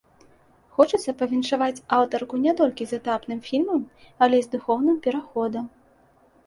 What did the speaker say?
Хочацца павіншаваць аўтарку не толькі з этапным фільмам, але і з духоўным пераходам.